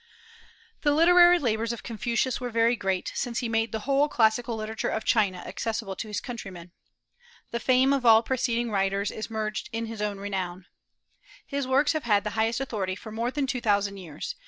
The literary labors of Confucius were very great, since he made the whole classical literature of China accessible to his countrymen. The fame of all preceding writers is merged in his own renown. His works have had the highest authority for more than two thousand years.